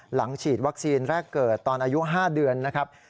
หลังฉีดวัคซีนแรกเกิดตอนอายุ๕เดือนนะครับ